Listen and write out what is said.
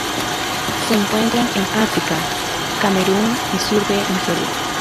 Se encuentran en África: Camerún y sur de Nigeria.